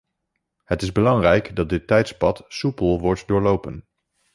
Het is belangrijk dat dit tijdspad soepel wordt doorlopen.